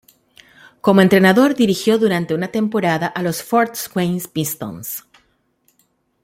Como entrenador, dirigió durante una temporada a los Fort Wayne Pistons.